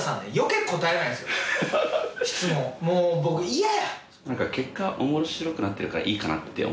もう僕嫌や！